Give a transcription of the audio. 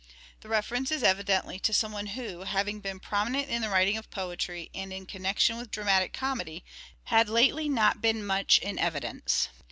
The reference is evidently to some one who, having been prominent in the writing of poetry, and in connection with dramatic comedy, had lately not been much in evidence.